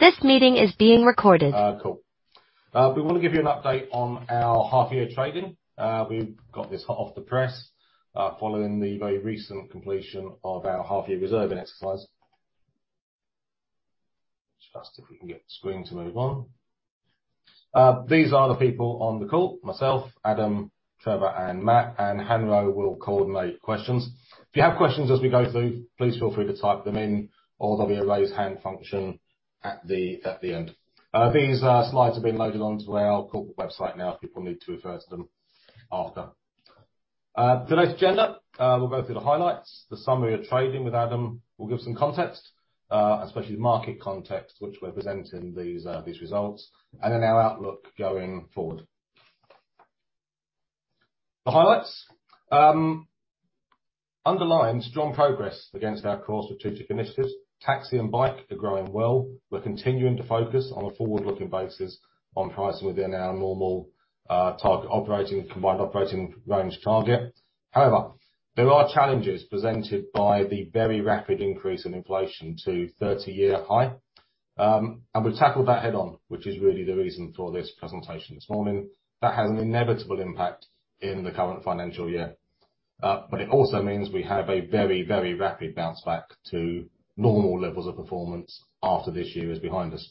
Cool. We want to give you an update on our half year trading. We've got this hot off the press, following the very recent completion of our half year reserve and exercise. Just if we can get the screen to move on. These are the people on the call. Myself, Adam, Trevor, and Matt. Hannah will coordinate questions. If you have questions as we go through, please feel free to type them in, or there'll be a raise hand function at the end. These slides have been loaded onto our corporate website now, if people need to refer to them after. Today's agenda, we'll go through the highlights. The summary of trading with Adam. We'll give some context, especially market context, which we're presenting these results, and then our outlook going forward. The highlights. Underlined strong progress against our core strategic initiatives. Taxi and bike are growing well. We're continuing to focus on a forward-looking basis on pricing within our normal target operating combined operating ratio target. However, there are challenges presented by the very rapid increase in inflation to 30-year high. We've tackled that head on, which is really the reason for this presentation this morning. That has an inevitable impact in the current financial year. It also means we have a very, very rapid bounce back to normal levels of performance after this year is behind us.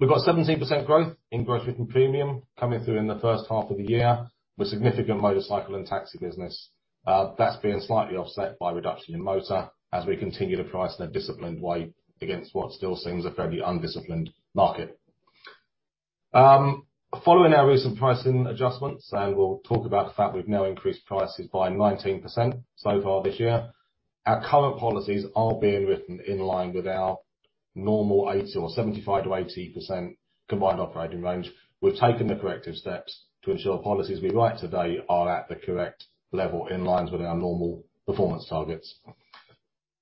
We've got 17% growth in gross written premium coming through in the first half of the year, with significant motorcycle and taxi business. That's being slightly offset by reduction in motor as we continue to price in a disciplined way against what still seems a fairly undisciplined market. Following our recent pricing adjustments, we'll talk about the fact we've now increased prices by 19% so far this year. Our current policies are being written in line with our normal 80% or 75%-80% combined operating ratio. We've taken the corrective steps to ensure policies we write today are at the correct level in line with our normal performance targets.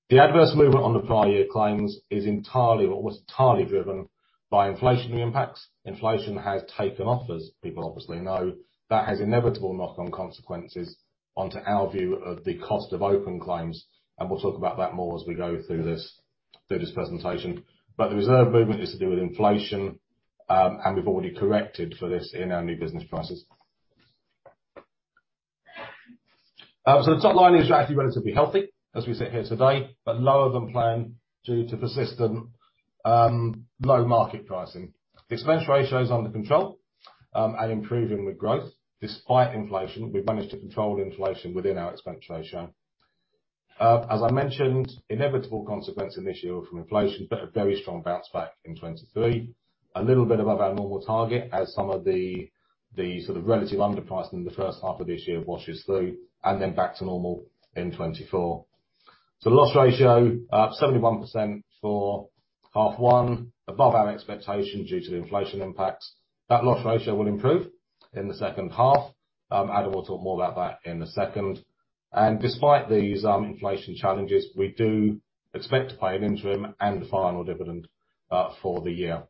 The adverse movement on the prior year claims is entirely or was entirely driven by inflationary impacts. Inflation has taken off, as people obviously know. That has inevitable knock-on consequences onto our view of the cost of open claims, and we'll talk about that more as we go through this presentation. The reserve movement is to do with inflation, and we've already corrected for this in our new business prices. The top line is actually relatively healthy as we sit here today, but lower than planned due to persistent low market pricing. Expense ratio is under control and improving with growth. Despite inflation, we've managed to control inflation within our expense ratio. As I mentioned, inevitable consequence in this year from inflation, but a very strong bounce back in 2023. A little bit above our normal target as some of the sort of relative underpricing in the first half of this year washes through and then back to normal in 2024. The loss ratio 71% for half one, above our expectation due to the inflation impacts. That loss ratio will improve in the second half. Adam will talk more about that in a second. Despite these inflation challenges, we do expect to pay an interim and final dividend for the year.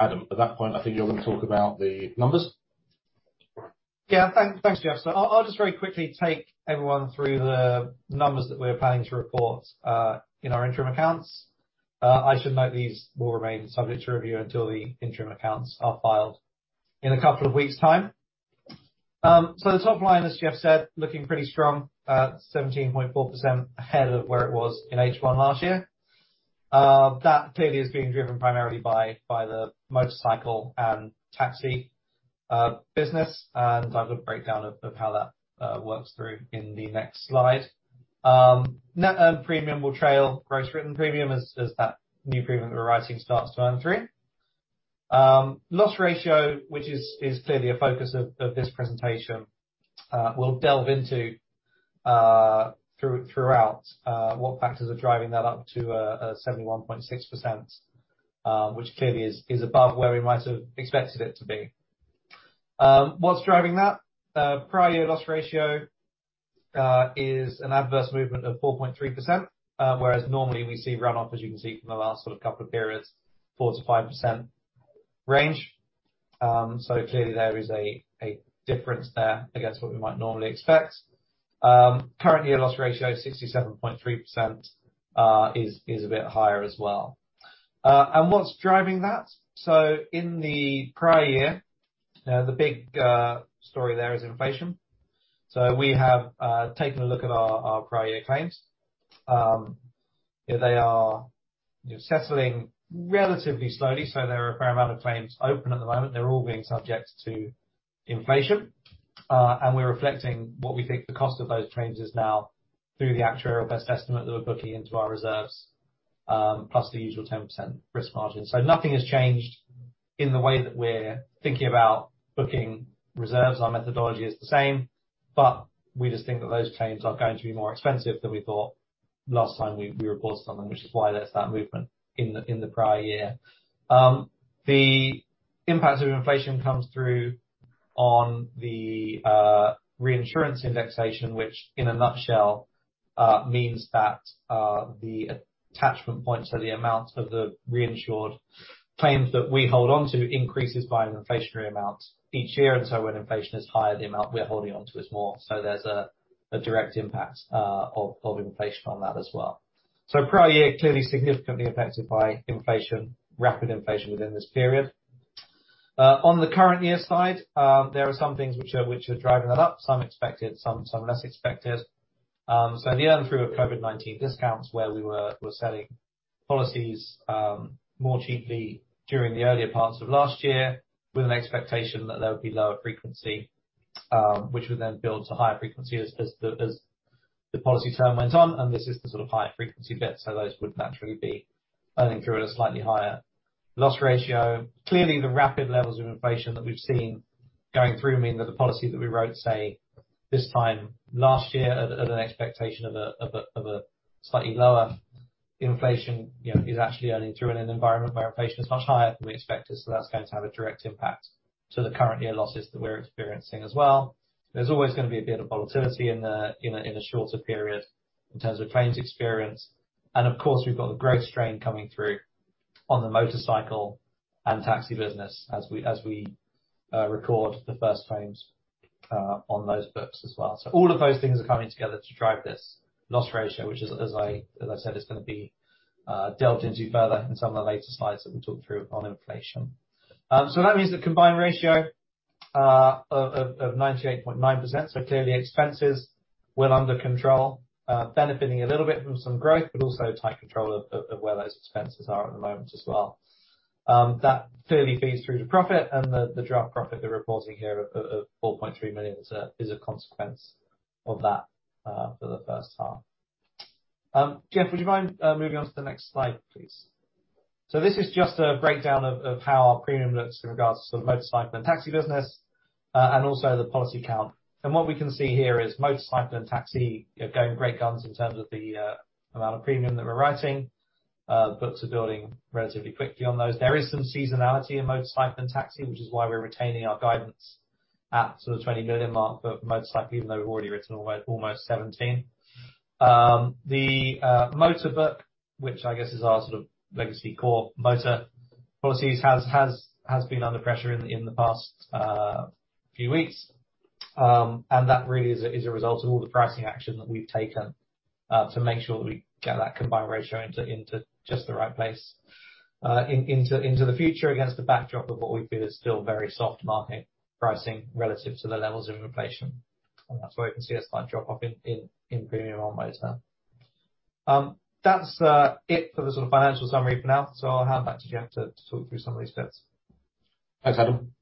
Adam, at that point, I think you're gonna talk about the numbers. Thanks, Geoff. I'll just very quickly take everyone through the numbers that we're planning to report in our interim accounts. I should note these will remain subject to review until the interim accounts are filed in a couple of weeks' time. The top line, as Geoff said, looking pretty strong, 17.4% ahead of where it was in H1 last year. That clearly is being driven primarily by the motorcycle and taxi business, and I've got a breakdown of how that works through in the next slide. Net earned premium will trail gross written premium as that new premium we're writing starts to earn through. Loss ratio, which is clearly a focus of this presentation, we'll delve into throughout what factors are driving that up to 71.6%, which clearly is above where we might have expected it to be. What's driving that? Prior year loss ratio is an adverse movement of 4.3%, whereas normally we see runoff, as you can see from the last sort of couple of periods, 4%-5% range. Clearly there is a difference there against what we might normally expect. Currently our loss ratio, 67.3%, is a bit higher as well. What's driving that? In the prior year, the big story there is inflation. We have taken a look at our prior year claims. They are settling relatively slowly, so there are a fair amount of claims open at the moment. They're all being subject to inflation, and we're reflecting what we think the cost of those claims is now through the actuarial best estimate that we're booking into our reserves, plus the usual 10% risk margin. Nothing has changed in the way that we're thinking about booking reserves. Our methodology is the same, but we just think that those claims are going to be more expensive than we thought last time we reported on them, which is why there's that movement in the prior year. The impact of inflation comes through on the reinsurance indexation, which means that the attachment points or the amount of the reinsured claims that we hold onto increases by an inflationary amount each year. When inflation is higher, the amount we're holding onto is more. There's a direct impact of inflation on that as well. Prior year, clearly significantly affected by inflation, rapid inflation within this period. On the current year side, there are some things which are driving that up, some expected, some less expected. The earn through of COVID-19 discounts where we're selling policies more cheaply during the earlier parts of last year with an expectation that there would be lower frequency, which would then build to higher frequency as the policy term went on. This is the sort of higher frequency bit, those would naturally be earning through at a slightly higher loss ratio. Clearly, the rapid levels of inflation that we've seen going through mean that the policy that we wrote, say, this time last year at an expectation of a slightly lower inflation, you know, is actually earning through in an environment where inflation is much higher than we expected. That's going to have a direct impact to the current year losses that we're experiencing as well. There's always gonna be a bit of volatility in a shorter period in terms of claims experience. Of course, we've got the growth strain coming through on the motorcycle and taxi business as we record the first claims on those books as well. All of those things are coming together to drive this loss ratio, which, as I said, is gonna be delved into further in some of the later slides that we talk through on inflation. That means the combined ratio of 98.9%. Clearly expenses well under control, benefiting a little bit from some growth, but also tight control of where those expenses are at the moment as well. That clearly feeds through to profit and the drop in profit we're reporting here of 4.3 million is a consequence of that for the first half. Geoff, would you mind moving on to the next slide, please? This is just a breakdown of how our premium looks in regards to the motorcycle and taxi business and also the policy count. What we can see here is motorcycle and taxi are going great guns in terms of the amount of premium that we're writing. Books are building relatively quickly on those. There is some seasonality in motorcycle and taxi, which is why we're retaining our guidance at the 20 million mark for motorcycle, even though we've already written away almost 17 million. The motor book, which I guess is our sort of legacy core motor policies, has been under pressure in the past few weeks. That really is a result of all the pricing action that we've taken to make sure that we get that combined ratio into just the right place, into the future against the backdrop of what we feel is still very soft market pricing relative to the levels of inflation. That's why we can see a slight drop off in premium on motor. That's it for the sort of financial summary for now. I'll hand back to Geoff to talk through some of these bits. Thanks, Adam.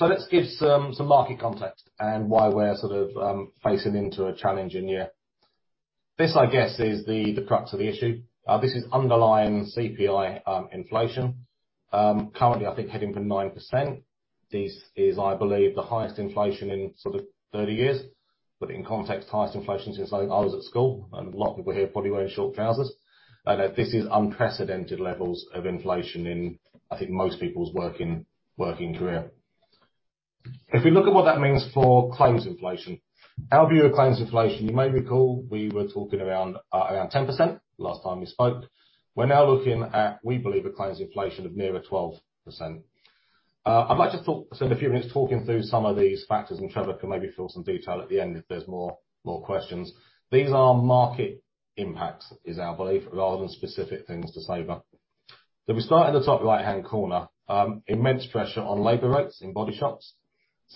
Let's give some market context and why we're sort of facing into a challenging year. This, I guess, is the crux of the issue. This is underlying CPI inflation. Currently, I think heading for 9%. This is, I believe, the highest inflation in sort of 30 years. In context, highest inflation since I was at school and a lot of people here probably were in short trousers. No, this is unprecedented levels of inflation in, I think, most people's working career. If we look at what that means for claims inflation, our view of claims inflation, you may recall we were talking around 10% last time we spoke. We're now looking at, we believe, a claims inflation of nearer 12%. I'd like to talk, spend a few minutes talking through some of these factors, and Trevor can maybe fill some detail at the end if there's more questions. These are market impacts, is our belief, rather than specific things to Sabre. We start at the top right-hand corner. Immense pressure on labor rates in body shops.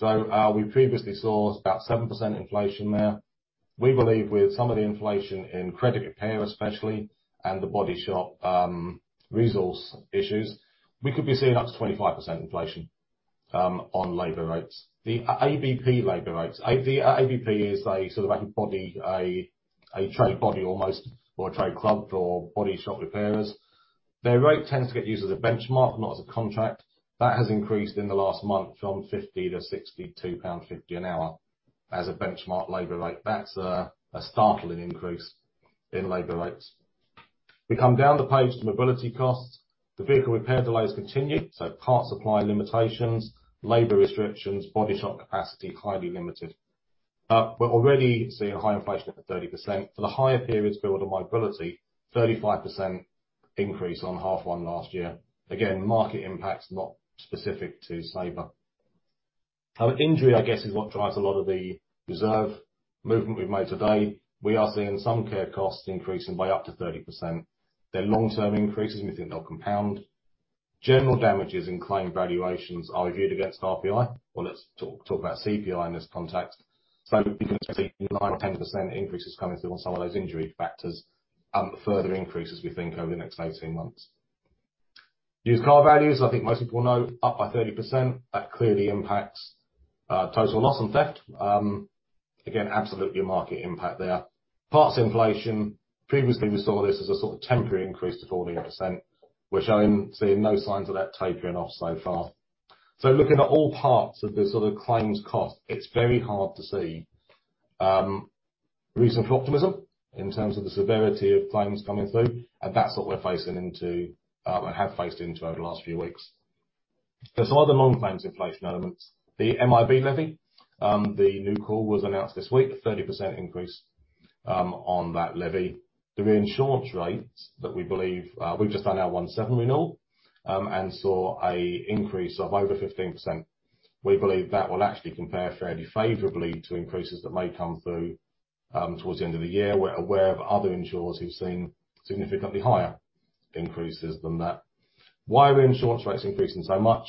We previously saw about 7% inflation there. We believe with some of the inflation in crash repair especially, and the body shop resource issues, we could be seeing up to 25% inflation on labor rates. The ABP labor rates. ABP is a sort of like a body, a trade body almost, or a trade club for body shop repairers. Their rate tends to get used as a benchmark, not as a contract. That has increased in the last month from 50 to 62.50 pound an hour as a benchmark labor rate. That's a startling increase in labor rates. We come down the page to mobility costs. The vehicle repair delays continue, so part supply limitations, labor restrictions, body shop capacity highly limited. We're already seeing a high inflation of 30%. For the prior periods but on mobility, 35% increase on half one last year. Again, market impacts, not specific to Sabre. Injury, I guess, is what drives a lot of the reserve movement we've made today. We are seeing some care costs increasing by up to 30%. They're long-term increases, and we think they'll compound. General damages in claim valuations are reviewed against RPI. Well, let's talk about CPI in this context. We can see 9%-10% increases coming through on some of those injury factors, further increase as we think over the next 18 months. Used car values, I think most people know, up by 30%. That clearly impacts total loss and theft. Again, absolutely a market impact there. Parts inflation, previously we saw this as a sort of temporary increase to 14%. We're seeing no signs of that tapering off so far. Looking at all parts of the sort of claims cost, it's very hard to see reason for optimism in terms of the severity of claims coming through, and that's what we're facing into and have faced into over the last few weeks. There are other non-claims inflation elements. The MIB Levy, the new call was announced this week, 30% increase on that levy. The reinsurance rates that we believe we've just done our 2017 renewal and saw a increase of over 15%. We believe that will actually compare fairly favorably to increases that may come through towards the end of the year. We're aware of other insurers who've seen significantly higher increases than that. Why are insurance rates increasing so much?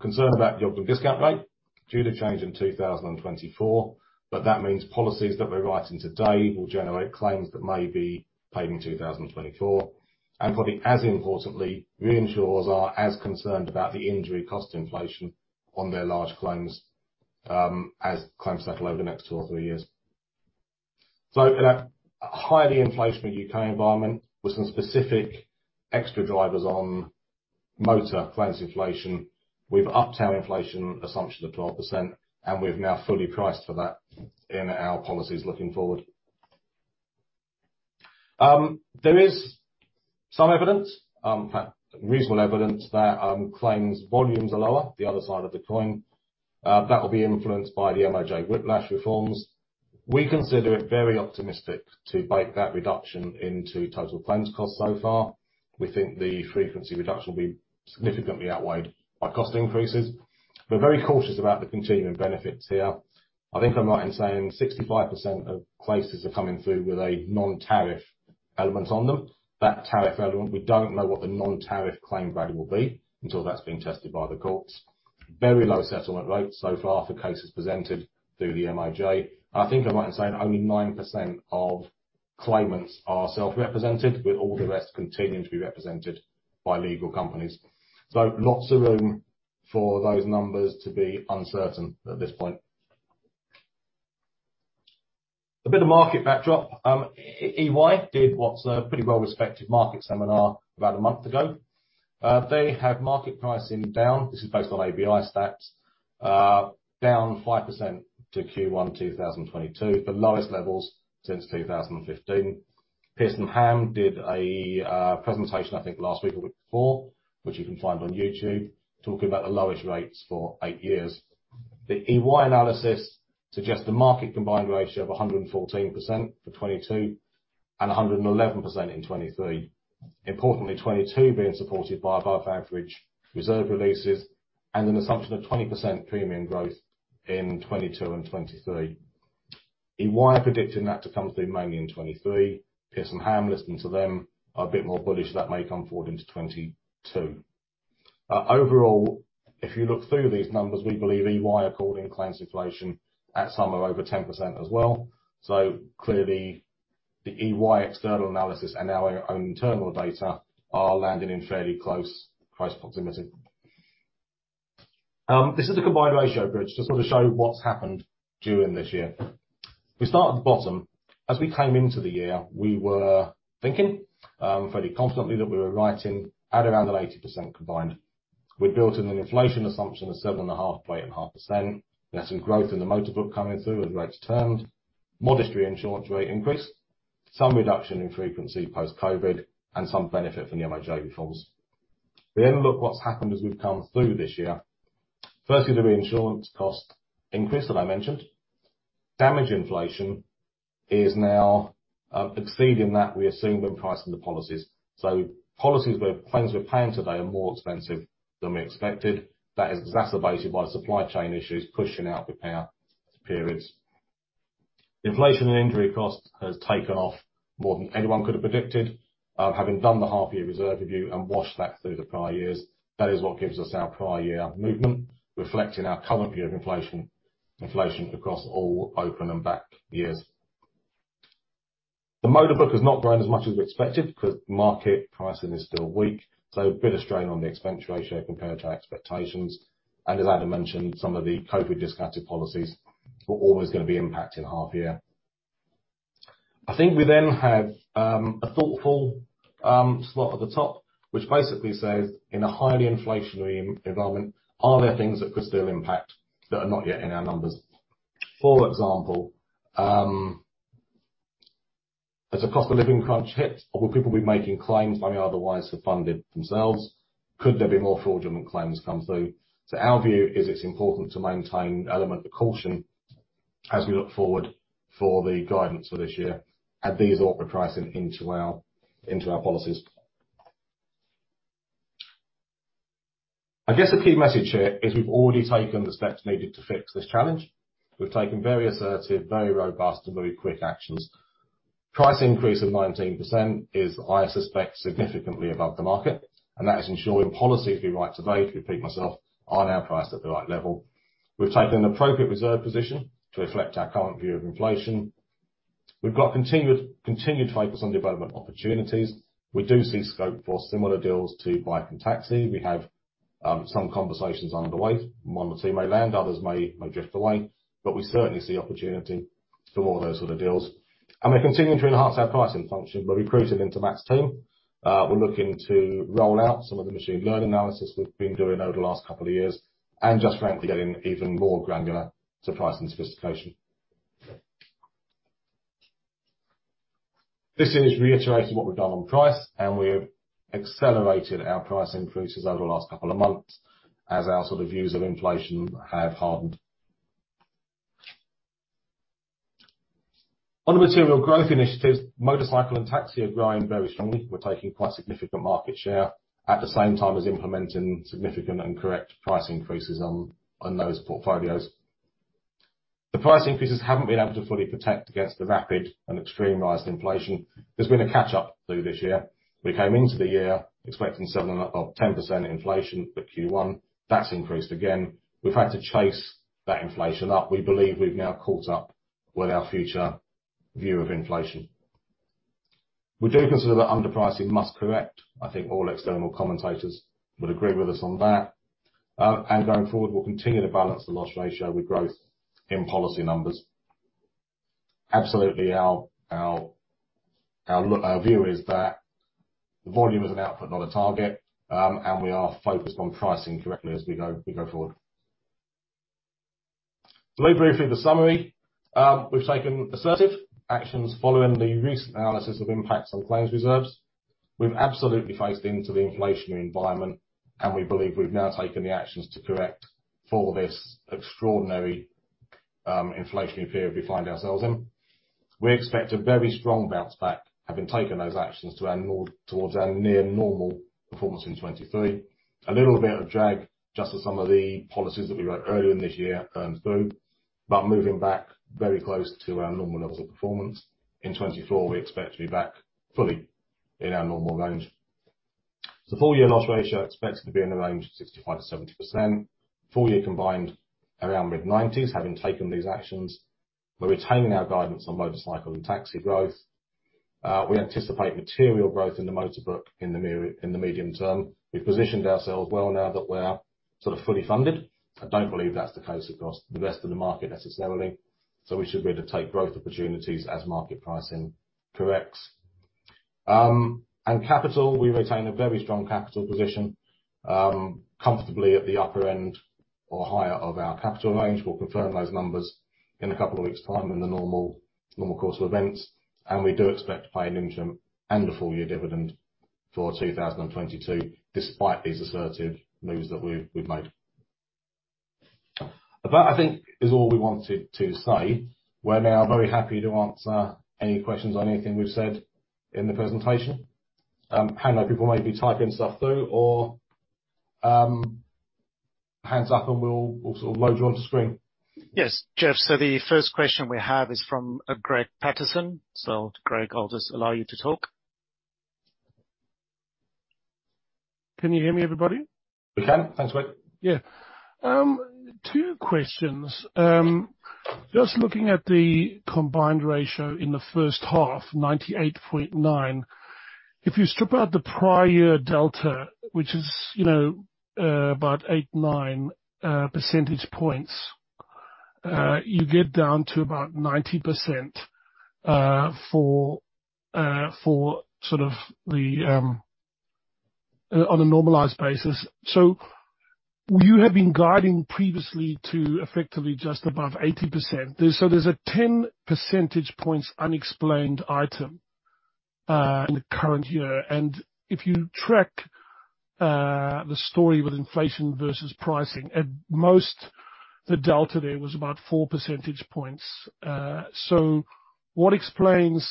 Concerned about the Ogden discount rate due to change in 2024, but that means policies that we're writing today will generate claims that may be paid in 2024. Probably, as importantly, reinsurers are as concerned about the injury cost inflation on their large claims as claims settle over the next two or three years. In a highly inflationary U.K. environment, with some specific extra drivers on motor claims inflation, we've updated our inflation assumption of 12%, and we've now fully priced for that in our policies looking forward. There is some evidence, in fact, reasonable evidence that claims volumes are lower, the other side of the coin. That will be influenced by the MOJ whiplash reforms. We consider it very optimistic to bake that reduction into total claims costs so far. We think the frequency reduction will be significantly outweighed by cost increases. We're very cautious about the continuing benefits here. I think I'm right in saying 65% of cases are coming through with a non-tariff element on them. That non-tariff element, we don't know what the non-tariff claim value will be until that's been tested by the courts. Very low settlement rates so far for cases presented through the MOJ. I think I'm right in saying only 9% of claimants are self-represented, with all the rest continuing to be represented by legal companies. Lots of room for those numbers to be uncertain at this point. A bit of market backdrop. EY did what's a pretty well-respected market seminar about a month ago. They have market pricing down. This is based on ABI stats. Down 5% to Q1 2022, the lowest levels since 2015. Pearson Ham did a presentation, I think last week or week before, which you can find on YouTube, talking about the lowest rates for eight years. The EY analysis suggests the market combined ratio of 114% for 2022, and 111% in 2023. Importantly, 2022 being supported by above average reserve releases and an assumption of 20% premium growth in 2022 and 2023. EY are predicting that to come through mainly in 2023. Pearson Ham Group, listening to them, are a bit more bullish that may come forward into 2022. Overall, if you look through these numbers, we believe EY are calling claims inflation at somewhere over 10% as well. Clearly, the EY external analysis and our own internal data are landing in fairly close proximity. This is a combined ratio bridge to sort of show what's happened during this year. We start at the bottom. As we came into the year, we were thinking fairly confidently that we were writing at around an 80% combined. We'd built in an inflation assumption of 7% and 5.5%. We had some growth in the motor book coming through as rates turned. Modest reinsurance rate increase. Some reduction in frequency post-COVID, and some benefit from the MOJ reforms. We look what's happened as we've come through this year. Firstly, the reinsurance cost increase that I mentioned. Damage inflation is now exceeding that we assumed when pricing the policies. So claims we're paying today are more expensive than we expected. That is exacerbated by supply chain issues pushing out repair periods. Inflation and injury cost has taken off more than anyone could have predicted. Having done the half year reserve review and washed that through the prior years, that is what gives us our prior year movement, reflecting our current view of inflation across all open and back years. The motor book has not grown as much as expected because market pricing is still weak, so a bit of strain on the expense ratio compared to our expectations. As Adam mentioned, some of the COVID discounted policies were always gonna be impacting half year. I think we have a thoughtful slot at the top, which basically says, in a highly inflationary environment, are there things that could still impact that are not yet in our numbers? For example, as the cost of living crunch hits, will people be making claims they may otherwise have funded themselves? Could there be more fraudulent claims come through? Our view is it's important to maintain element of caution as we look forward for the guidance for this year, and these ought to price in into our policies. I guess the key message here is we've already taken the steps needed to fix this challenge. We've taken very assertive, very robust, and very quick actions. Price increase of 19% is, I suspect, significantly above the market, and that is ensuring policies we write today, to repeat myself, are now priced at the right level. We've taken an appropriate reserve position to reflect our current view of inflation. We've got continued focus on development opportunities. We do see scope for similar deals to bike and taxi. We have some conversations underway. One or two may land, others may drift away. But we certainly see opportunity for more of those sort of deals. We're continuing to enhance our pricing function. We're recruiting into Matt's team. We're looking to roll out some of the machine learning analysis we've been doing over the last couple of years, and just frankly, getting even more granular to pricing sophistication. This image reiterates what we've done on price, and we have accelerated our price increases over the last couple of months as our sort of views of inflation have hardened. On the material growth initiatives, motorcycle and taxi are growing very strongly. We're taking quite significant market share at the same time as implementing significant and correct price increases on those portfolios. The price increases haven't been able to fully protect against the rapid and extreme rise in inflation. There's been a catch-up through this year. We came into the year expecting 7% or 10% inflation for Q1. That's increased again. We've had to chase that inflation up. We believe we've now caught up with our future view of inflation. We do consider that underpricing must correct. I think all external commentators would agree with us on that. Going forward, we'll continue to balance the loss ratio with growth in policy numbers. Absolutely, our view is that volume is an output, not a target, and we are focused on pricing correctly as we go forward. Very briefly, the summary, we've taken assertive actions following the recent analysis of impacts on claims reserves. We've absolutely priced into the inflationary environment, and we believe we've now taken the actions to correct for this extraordinary, inflationary period we find ourselves in. We expect a very strong bounce back, having taken those actions, towards our near normal performance in 2023. A little bit of drag just as some of the policies that we wrote earlier in this year earn through. Moving back very close to our normal levels of performance. In 2024, we expect to be back fully in our normal range. Full year loss ratio expected to be in the range of 65%-70%. Full year combined, around mid-90s, having taken these actions. We're retaining our guidance on motorcycle and taxi growth. We anticipate material growth in the motor book in the near, in the medium term. We've positioned ourselves well now that we're sort of fully funded. I don't believe that's the case across the rest of the market necessarily, so we should be able to take growth opportunities as market pricing corrects. Capital, we retain a very strong capital position, comfortably at the upper end or higher of our capital range. We'll confirm those numbers in a couple of weeks' time in the normal course of events. We do expect to pay an interim and a full-year dividend for 2022, despite these assertive moves that we've made. That, I think, is all we wanted to say. We're now very happy to answer any questions on anything we've said in the presentation. I know people may be typing stuff through or, hands up and we'll sort of load you onto screen. Yes, Geoff. The first question we have is from Greg Patterson. Greg, I'll just allow you to talk. Can you hear me, everybody? We can. Thanks, Greg. Yeah. Two questions. Just looking at the combined ratio in the first half, 98.9%. If you strip out the prior delta, which is, you know, about 8, 9 percentage points, you get down to about 90%, for sort of the on a normalized basis. You have been guiding previously to effectively just above 80%. There's a 10 percentage points unexplained item in the current year. If you track the story with inflation versus pricing, at most, the delta there was about 4 percentage points. What explains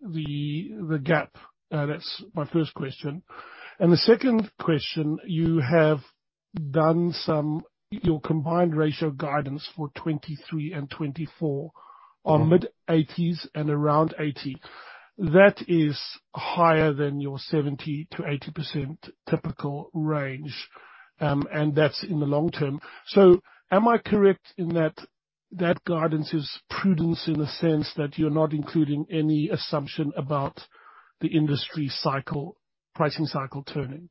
the gap? That's my first question. The second question, your combined ratio guidance for 2023 and 2024 on mid-80s and around 80%. That is higher than your 70%-80% typical range, and that's in the long term. Am I correct in that guidance is prudence in the sense that you're not including any assumption about the industry cycle, pricing cycle turning?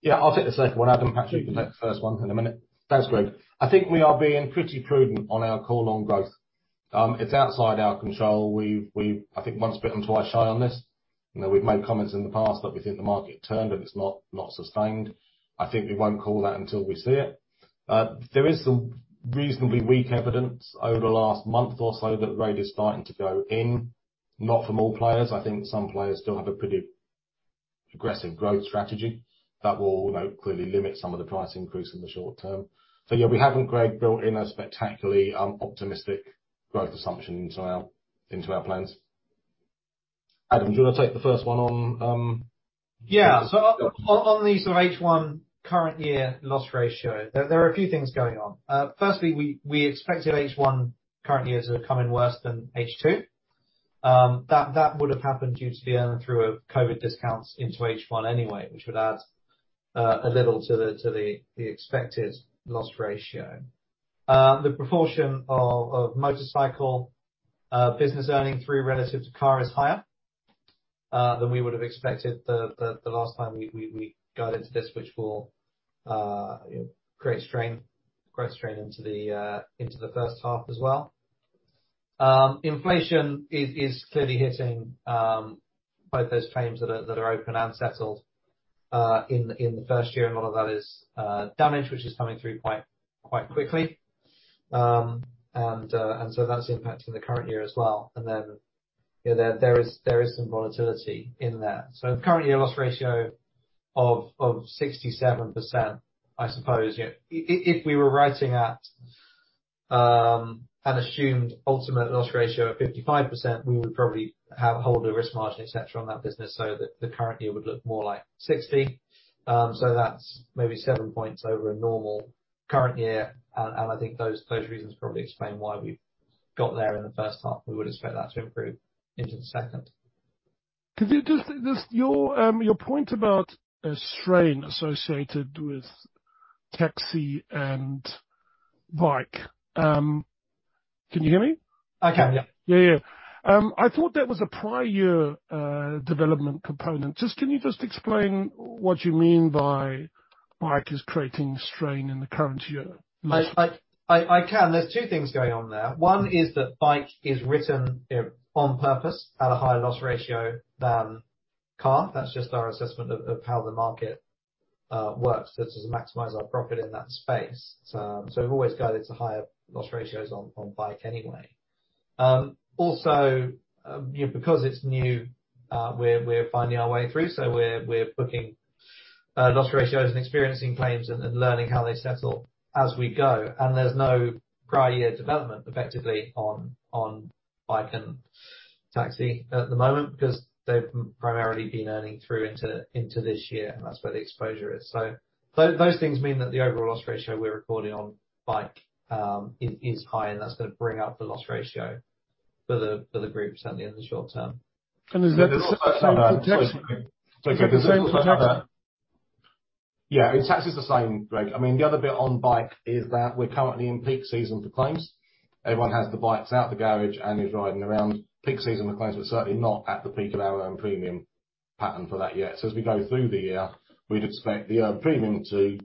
Yeah, I'll take the second one. Adam, perhaps you can take the first one in a minute. Thanks, Greg. I think we are being pretty prudent on our call on growth. It's outside our control. We've I think once bitten, twice shy on this. You know, we've made comments in the past that we think the market turned, and it's not sustained. I think we won't call that until we see it. There is some reasonably weak evidence over the last month or so that rate is starting to go in. Not from all players. I think some players still have a pretty aggressive growth strategy that will, you know, clearly limit some of the price increase in the short term. So yeah, we haven't, Greg, built in a spectacularly optimistic growth assumption into our plans. Adam, do you wanna take the first one on? On the sort of H1 current year loss ratio, there are a few things going on. Firstly, we expected H1 current year to come in worse than H2. That would have happened due to the earning through of COVID discounts into H1 anyway, which would add a little to the expected loss ratio. The proportion of motorcycle business earning through relative to car is higher than we would've expected the last time we got into this, which will, you know, create strain into the first half as well. Inflation is clearly hitting both those claims that are open and settled in the first year, and a lot of that is damage which is coming through quite quickly. That's impacting the current year as well. You know, there is some volatility in there. Currently a loss ratio of 67%, I suppose, you know, if we were writing at an assumed ultimate loss ratio of 55%, we would probably have to hold the risk margin, et cetera, on that business, so that the current year would look more like 60. That's maybe 7 points over a normal current year. I think those reasons probably explain why we got there in the first half. We would expect that to improve into the second. Could you just your point about a strain associated with taxi and bike. Can you hear me? I can, yeah. Yeah, yeah. I thought that was a prior year development component. Just, can you just explain what you mean by bike is creating strain in the current year? I can. There's two things going on there. One is that bike is written on purpose at a higher loss ratio than car. That's just our assessment of how the market works. This is to maximize our profit in that space. So we've always guided to higher loss ratios on bike anyway. Also, you know, because it's new, we're finding our way through, so we're booking loss ratios and experiencing claims and learning how they settle as we go. There's no prior year development effectively on bike and taxi at the moment 'cause they've primarily been earning through into this year, and that's where the exposure is. Those things mean that the overall loss ratio we're recording on bike is high, and that's gonna bring up the loss ratio for the group certainly in the short term. Is it the same for taxi? Yeah. Taxi is the same, Greg. I mean, the other bit on bike is that we're currently in peak season for claims. Everyone has the bikes out the garage and is riding around. Peak season for claims, we're certainly not at the peak of our own premium pattern for that yet. As we go through the year, we'd expect the premium to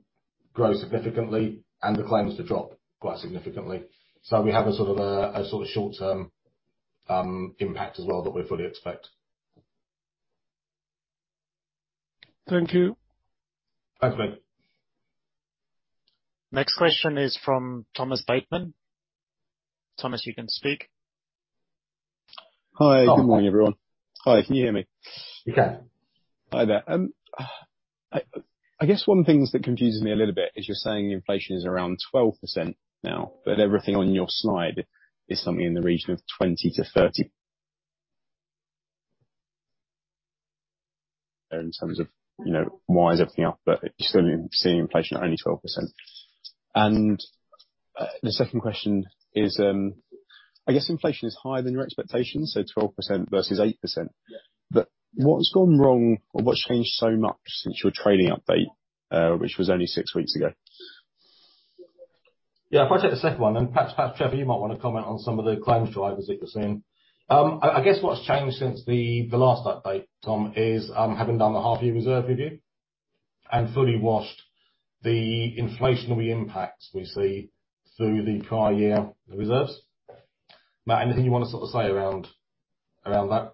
grow significantly and the claims to drop quite significantly. We have a sort of short term impact as well that we fully expect. Thank you. Thanks, mate. Next question is from Thomas Bateman. Thomas, you can speak. Hi. Good morning, everyone. Hi. Can you hear me? We can. Hi there. I guess one thing that confuses me a little bit is you're saying inflation is around 12% now, but everything on your slide is something in the region of 20%-30%. In terms of, you know, why is everything up, but you're still seeing inflation at only 12%. The second question is, I guess inflation is higher than your expectations, so 12% versus 8%. Yeah. What's gone wrong or what's changed so much since your trading update, which was only six weeks ago? Yeah. If I take the second one, and perhaps, Trevor, you might wanna comment on some of the claims drivers that you're seeing. I guess what's changed since the last update, Tom, is having done the half year reserve review and fully washed the inflationary impacts we see through the prior year, the reserves. Matt, anything you wanna sort of say around that?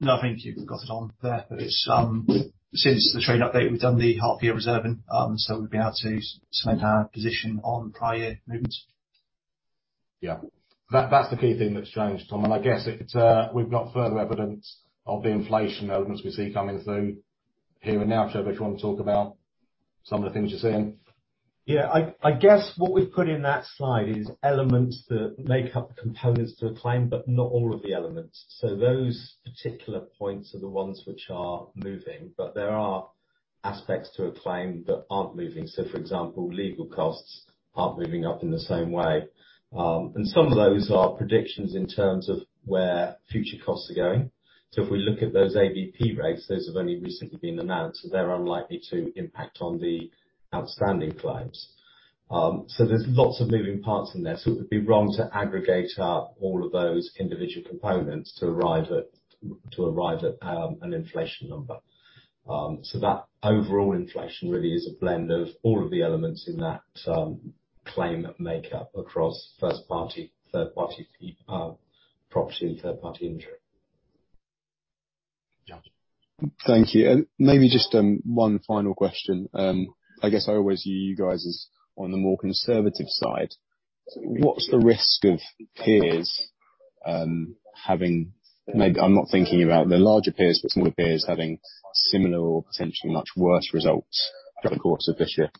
No, I think you've got it on there. It's since the trade update, we've done the half year reserving, so we've been able to cement our position on prior movements. Yeah. That's the key thing that's changed, Tom. I guess we've got further evidence of the inflation elements we see coming through here and now. Trevor, do you wanna talk about some of the things you're seeing? Yeah. I guess what we've put in that slide is elements that make up the components to a claim, but not all of the elements. Those particular points are the ones which are moving, but there are aspects to a claim that aren't moving. For example, legal costs aren't moving up in the same way. Some of those are predictions in terms of where future costs are going. If we look at those ABP rates, those have only recently been announced, so they're unlikely to impact on the outstanding claims. There's lots of moving parts in there. It would be wrong to aggregate up all of those individual components to arrive at an inflation number. That overall inflation really is a blend of all of the elements in that claim make up across first party, third party property, and third party injury. Gotcha. Thank you. Maybe just one final question. I guess I always view you guys as on the more conservative side. What's the risk of peers, maybe I'm not thinking about the larger peers, but small peers, having similar or potentially much worse results through the course of this year.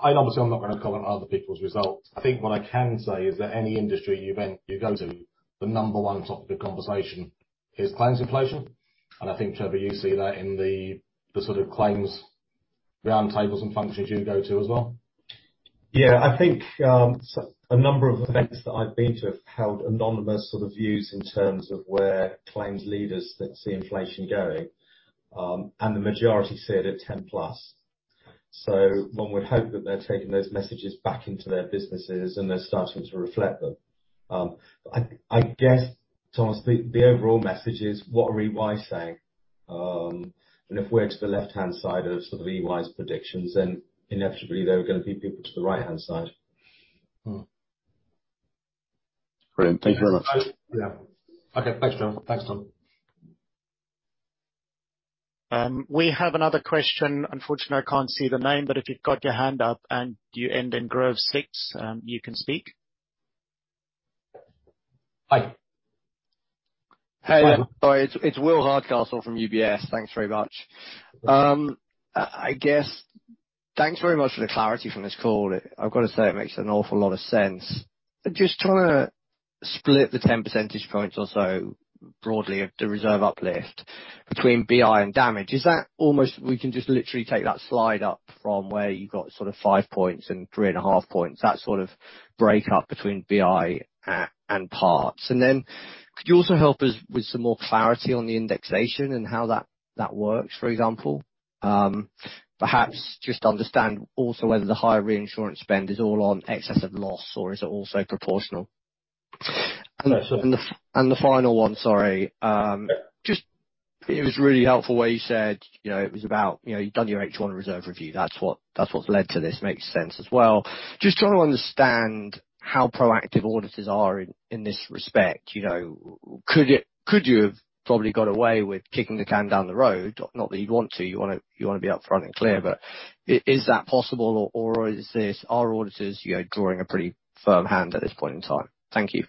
I obviously am not gonna comment on other people's results. I think what I can say is that any industry you go to, the number one topic of conversation is claims inflation. I think, Trevor, you see that in the sort of claims roundtables and functions you go to as well. I think a number of events that I've been to have held anonymous sort of views in terms of where claims leaders then see inflation going. The majority see it at 10+. One would hope that they're taking those messages back into their businesses and they're starting to reflect them. I guess, Thomas, the overall message is what are EY saying? If we're to the left-hand side of sort of EY's predictions, then inevitably there are gonna be people to the right-hand side. Brilliant. Thank you very much. Yeah. Okay. Thanks, Tom. We have another question. Unfortunately, I can't see the name, but if you've got your hand up and you end in Grove Six, you can speak. Hi. Hey there. Sorry. It's Will Hardcastle from UBS. Thanks very much. I guess thanks very much for the clarity from this call. I've got to say, it makes an awful lot of sense. Just trying to split the 10 percentage points or so broadly of the reserve uplift between BI and damage. Is that almost we can just literally take that slide up from where you've got sort of 5 points and 3.5 points, that sort of breakup between BI and parts? And then could you also help us with some more clarity on the indexation and how that works, for example? Perhaps just understand also whether the higher reinsurance spend is all on excess of loss or is it also proportional? No, sure. The final one, sorry. Just it was really helpful where you said, you know, it was about, you know, you've done your H1 reserve review. That's what's led to this. Makes sense as well. Just trying to understand how proactive auditors are in this respect. You know, could you have probably got away with kicking the can down the road? Not that you'd want to, you wanna be upfront and clear, but is that possible or is this our auditors, you know, drawing a pretty firm hand at this point in time? Thank you.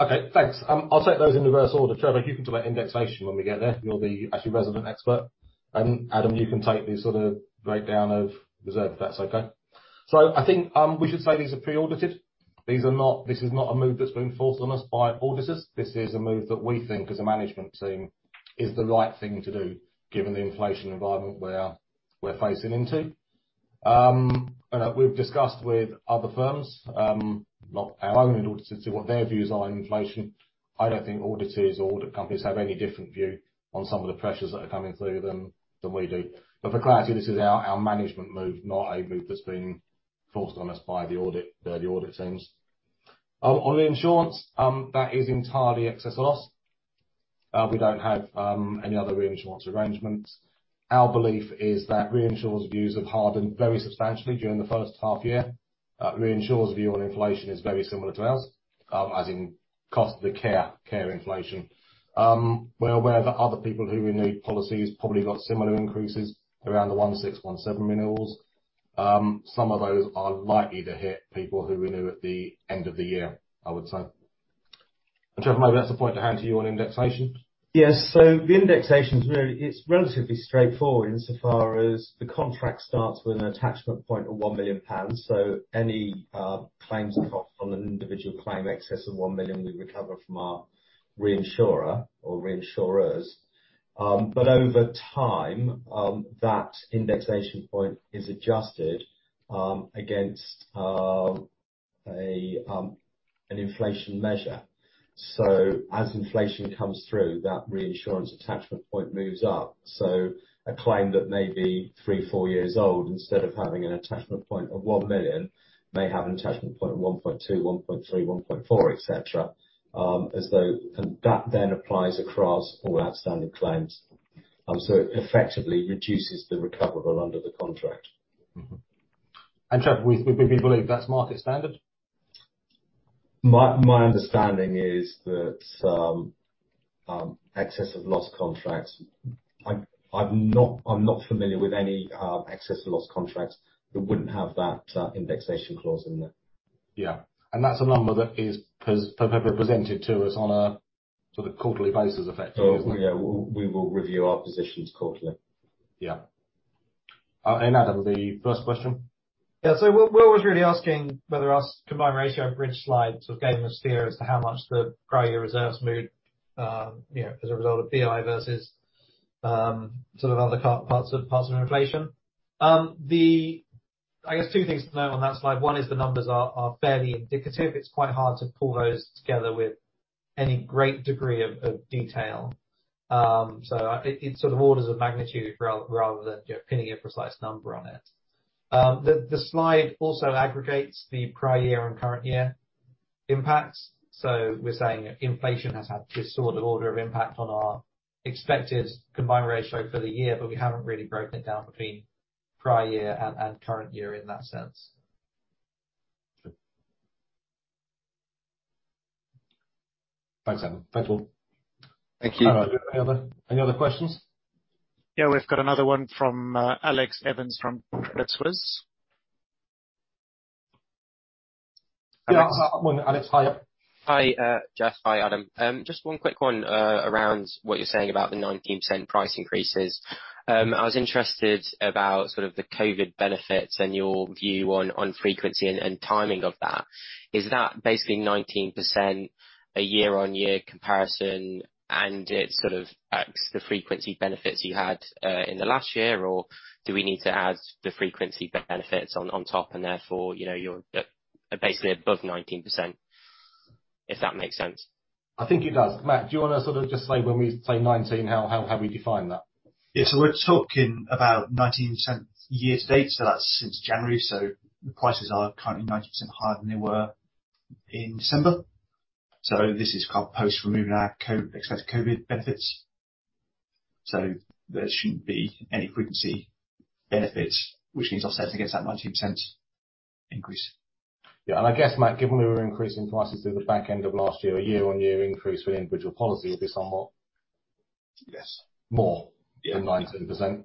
Okay, thanks. I'll take those in reverse order. Trevor, you can talk about indexation when we get there. You're the actual resident expert. Adam, you can take the sort of breakdown of reserve, if that's okay. I think we should say these are pre-audited. These are not. This is not a move that's been forced on us by auditors. This is a move that we think, as a management team, is the right thing to do given the inflation environment we're facing into. We've discussed with other firms, not our own auditors to see what their views are on inflation. I don't think auditors or audit companies have any different view on some of the pressures that are coming through than we do. For clarity, this is our management move, not a move that's been forced on us by the audit teams. On the insurance, that is entirely Excess of Loss. We don't have any other reinsurance arrangements. Our belief is that reinsurers' views have hardened very substantially during the first half year. Reinsurers' view on inflation is very similar to ours, as in cost of the care inflation. We're aware that other people who renew policies probably got similar increases around the 16, 17 renewals. Some of those are likely to hit people who renew at the end of the year, I would say. Trevor, maybe that's the point to hand to you on indexation. Yes. The indexation is really, it's relatively straightforward insofar as the contract starts with an attachment point of 1 million pounds. Any claims and costs on an individual claim excess of 1 million, we recover from our reinsurer or reinsurers. But over time, that indexation point is adjusted against an inflation measure. As inflation comes through, that reinsurance attachment point moves up. A claim that may be three, four years old, instead of having an attachment point of 1 million, may have an attachment point of 1.2, 1.3, 1.4, et cetera. That then applies across all outstanding claims. It effectively reduces the recoverable under the contract. Trevor, we believe that's market standard. My understanding is that some Excess of Loss contracts. I'm not familiar with any Excess of Loss contracts that wouldn't have that indexation clause in there. Yeah. That's a number that is presented to us on a sort of quarterly basis, effectively, isn't it? Oh, yeah. We will review our positions quarterly. Yeah. Adam, the first question. Yeah. Will was really asking whether our combined ratio bridge slide sort of gave him a steer as to how much the prior year reserves moved, you know, as a result of BI versus, sort of other parts of inflation. I guess two things to know on that slide. One is the numbers are fairly indicative. It's quite hard to pull those together with any great degree of detail. So I think it's sort of orders of magnitude rather than, you know, pinning a precise number on it. The slide also aggregates the prior year and current year impacts. We're saying inflation has had this sort of order of impact on our expected combined ratio for the year, but we haven't really broken it down between prior year and current year in that sense. Sure. Thanks, Adam. Thanks, Will. Thank you. All right. Any other questions? Yeah, we've got another one from Alex Evans from Credit Suisse. Yeah. One minute, Alex. Hiya. Hi, Geoff. Hi, Adam. Just one quick one, around what you're saying about the 19% price increases. I was interested about sort of the COVID benefits and your view on frequency and timing of that. Is that basically 19% a year-on-year comparison, and it sort of offsets the frequency benefits you had in the last year? Or do we need to add the frequency benefits on top and therefore, you know, you're basically above 19%, if that makes sense? I think it does. Matt, do you wanna sort of just say when we say 19%, how we define that? Yeah. We're talking about 19% year to date, that's since January. The prices are currently 19% higher than they were in December. This is kind of post removing our expected COVID-19 benefits. There shouldn't be any frequency benefits, which means offset against that 19% increase. Yeah. I guess, Matt, given that we're increasing prices through the back end of last year, a year-on-year increase for the individual policy will be somewhat. Yes More- Yeah than 19%.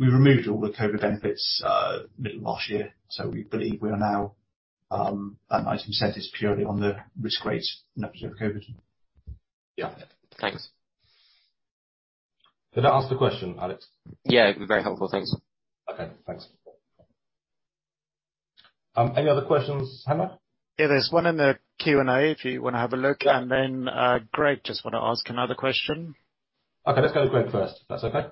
We removed all the COVID benefits in the middle of last year. We believe we are now at 19% purely on the risk rate and in the absence of COVID. Yeah. Thanks. Did that answer the question, Alex? Yeah, it was very helpful. Thanks. Okay, thanks. Any other questions, Hannah? Yeah, there's one in the Q&A if you wanna have a look. Greg just wanna ask another question. Okay, let's go to Greg first, if that's okay?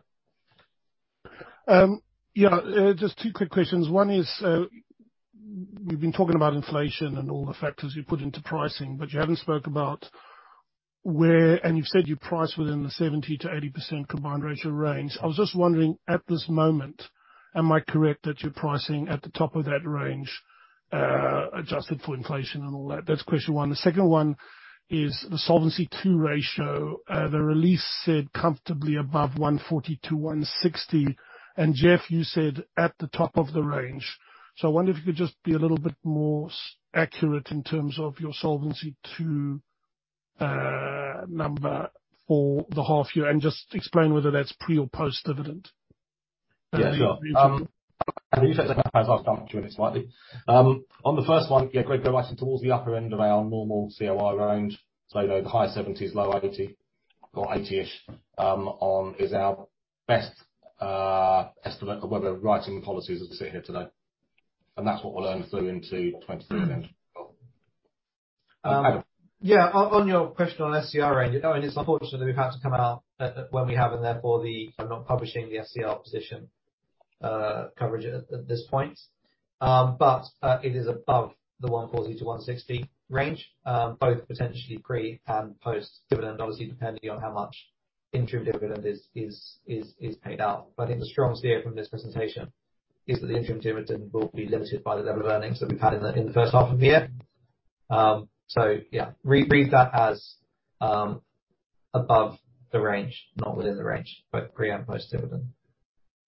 Yeah. Just two quick questions. One is, you've been talking about inflation and all the factors you put into pricing, but you haven't spoke about where and you've said you price within the 70%-80% combined ratio range. I was just wondering, at this moment, am I correct that you're pricing at the top of that range, adjusted for inflation and all that? That's question one. The second one is the Solvency II ratio. The release said comfortably above 140-160. Geoff, you said at the top of the range. I wonder if you could just be a little bit more accurate in terms of your Solvency II number for the half year and just explain whether that's pre or post-dividend. Yeah, sure. You said that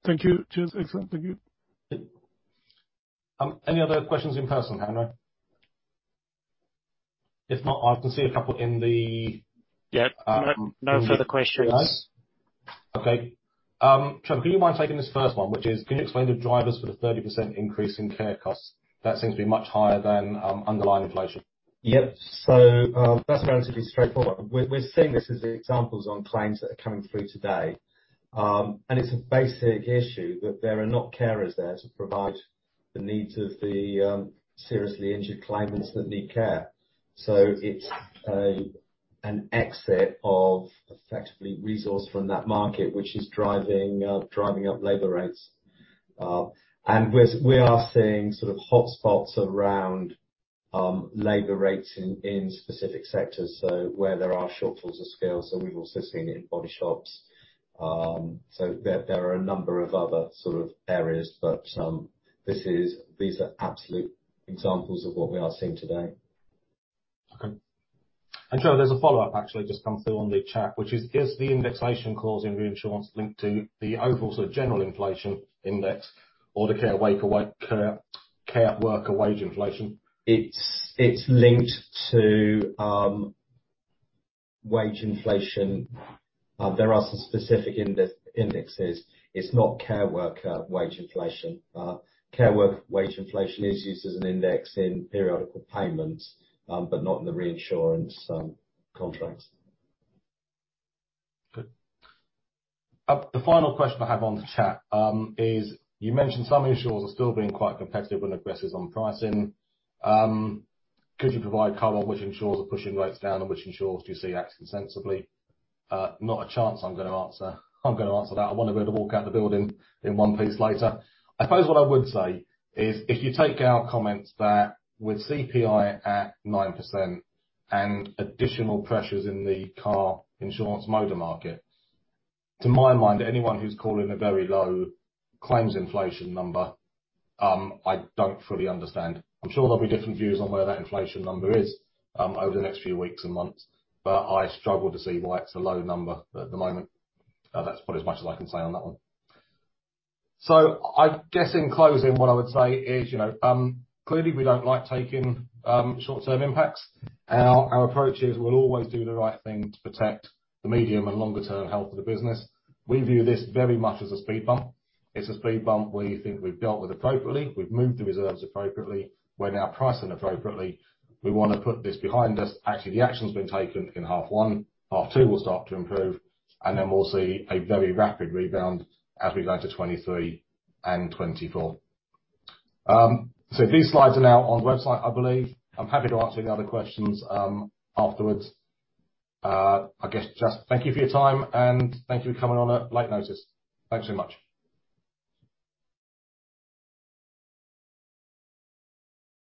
Thank you. Any other questions in person, Hannah? If not, I can see a couple. Yeah. No, no further questions. No? Okay. Trevor, do you mind taking this first one, which is, can you explain the drivers for the 30% increase in care costs? That seems to be much higher than underlying inflation. Yep. That's relatively straightforward. We're seeing this as the examples on claims that are coming through today. It's a basic issue that there are not carers there to provide the needs of the seriously injured claimants that need care. It's an exit of effectively resource from that market, which is driving up labor rates. We're seeing sort of hotspots around labor rates in specific sectors, so where there are shortfalls of skills, we've also seen it in body shops. There are a number of other sort of areas, but these are absolute examples of what we are seeing today. Okay. Trevor, there's a follow-up, actually, just come through on the chat, which is the indexation clause in reinsurance linked to the overall sort of general inflation index or the care worker wage inflation? It's linked to wage inflation. There are some specific indexes. It's not care worker wage inflation. Care worker wage inflation is used as an index in periodical payments, but not in the reinsurance contracts. Good. The final question I have on the chat is you mentioned some insurers are still being quite competitive and aggressive on pricing. Could you provide color on which insurers are pushing rates down and which insurers do you see acting sensibly? Not a chance I'm gonna answer that. I wanna be able to walk out the building in one piece later. I suppose what I would say is if you take our comments that with CPI at 9% and additional pressures in the car insurance motor market, to my mind, anyone who's calling a very low claims inflation number, I don't fully understand. I'm sure there'll be different views on where that inflation number is over the next few weeks and months, but I struggle to see why it's a low number at the moment. That's about as much as I can say on that one. I guess in closing, what I would say is, you know, clearly we don't like taking short-term impacts. Our approach is we'll always do the right thing to protect the medium and longer term health of the business. We view this very much as a speed bump. It's a speed bump we think we've dealt with appropriately. We've moved the reserves appropriately. We're now pricing appropriately. We wanna put this behind us. Actually, the action's been taken in half one. Half two will start to improve, and then we'll see a very rapid rebound as we go to 2023 and 2024. These slides are now on the website, I believe. I'm happy to answer any other questions afterwards. I guess just thank you for your time, and thank you for coming on at late notice. Thanks so much.